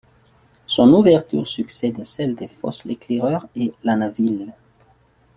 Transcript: Son ouverture succède à celle des fosses l'Éclaireur et La Naville.